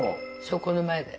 そこの前で。